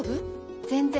全然。